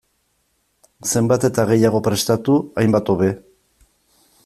Zenbat eta gehiago prestatu, hainbat hobe.